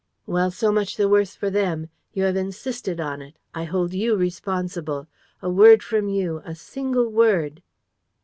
Well, so much the worse for them! You have insisted on it. I hold you responsible. A word from you, a single word.